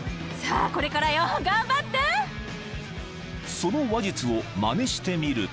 ［その話術をまねしてみると］